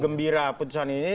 gembira putusan ini